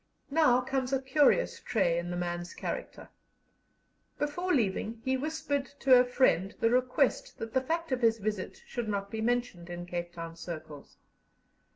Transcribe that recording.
Now comes a curious trait in the man's character. Before leaving he whispered to a friend the request that the fact of his visit should not be mentioned in Cape Town circles.